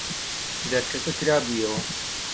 دەرکەکە کرابوویەوە.